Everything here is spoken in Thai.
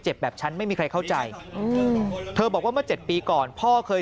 แบบฉันไม่มีใครเข้าใจเธอบอกว่าเมื่อ๗ปีก่อนพ่อเคย